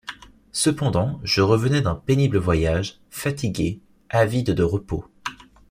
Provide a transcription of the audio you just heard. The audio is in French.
Cependant, je revenais d’un pénible voyage, fatigué, avide de repos.